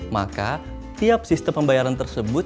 maka tiap sistem pembayaran tersebut